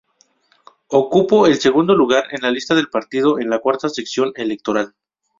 Ocupó el segundo lugar en la lista del partido en la Cuarta Sección Electoral.